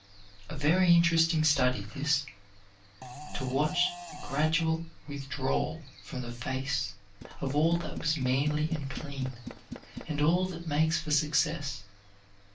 A very interesting study this, to watch the gradual withdrawal from the face of all that was manly and clean, and all that makes for success.